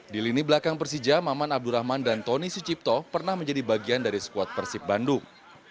di lini belakang persija maman abdurrahman dan tony sucipto pernah menjadi bagian dari squad persib bandung